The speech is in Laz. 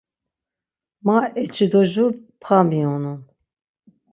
Ma eçi do jur ntxa miyonun.